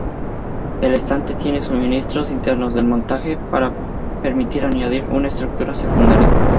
El estante tiene suministros internos de montaje para permitir añadir una estructura secundaria.